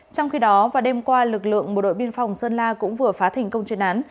trong khi đó vào đêm qua lực lượng bộ đội biên phòng sơn la cũng vừa phá thành công chuyên án